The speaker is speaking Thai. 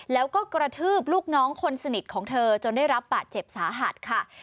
แล้วก็กระทืบลูกน้องคนสนิทของเธอจนได้รับบาดเจ็บสาหัสค่ะ